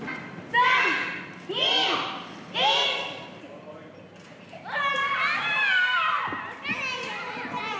３２１！わ！